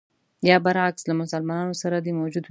یا برعکس له مسلمانانو سره دې موجوده وي.